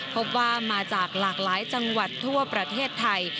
พบว่ามาจากหลากหลายจังหวัดทั่วประเทศไทย